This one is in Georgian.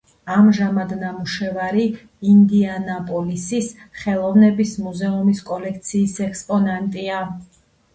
ამჟამად ნამუშევარი ინდიანაპოლისის ხელოვნების მუზეუმის კოლექციის ექსპონატია.